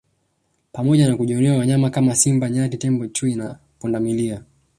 pamoja na kujionea wanyama kama Simba Nyati Tembo Nyani Chui na Pundamilia